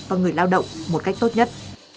và người lao động một cách tốt nhất